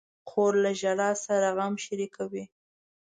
خور له ژړا سره غم شریکوي.